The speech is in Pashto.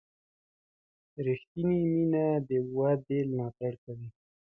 ریښتینې مینه د ودې ملاتړ کوي.